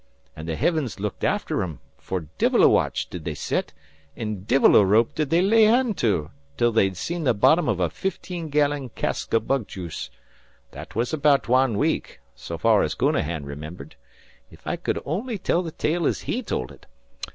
An' the hivens looked after thim, for divil a watch did they set, an' divil a rope did they lay hand to, till they'd seen the bottom av a fifteen gallon cask o' bug juice. That was about wan week, so far as Counahan remembered. (If I cud only tell the tale as he told ut!)